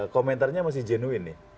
komentarnya masih jenuin